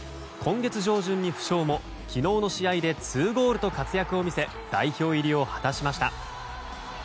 今月上旬に負傷も昨日の試合で２ゴールと活躍を見せ代表入りを果たしました。